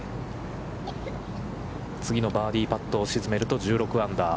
次のバーディーパットを沈めると１６アンダー。